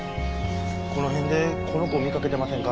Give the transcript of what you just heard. この辺でこの子見かけてませんか？